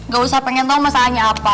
gak usah pengen tahu masalahnya apa